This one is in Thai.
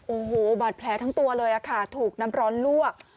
โอ้โหบาดแผลทั้งตัวเลยค่ะถูกน้ำร้อนลวก